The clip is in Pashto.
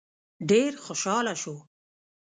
ډېر خوشحاله شو.